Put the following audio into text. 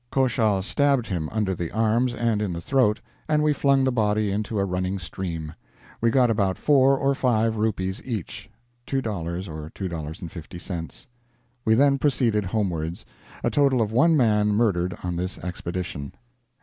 Koshal stabbed him under the arms and in the throat, and we flung the body into a running stream. We got about 4 or 5 rupees each ($2 or $2.50). We then proceeded homewards. A total of one man murdered on this expedition."